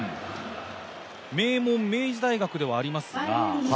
名門明治大学ではありますが。